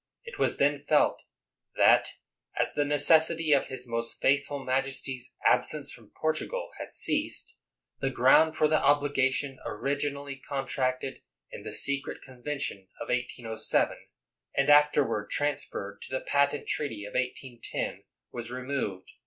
It was then felt that, as the necessity of his most faithful majesty's ab sence from Portugal had ceased, the ground for the obligation originally contracted in the secret convention of 1807, and afterward transferred to the patent treatj'' of 1810, was removed.